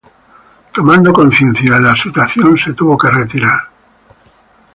Tomando conciencia de la situación se tuvo que retirar